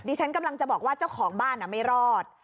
ฉันกำลังจะบอกว่าเจ้าของบ้านไม่รอด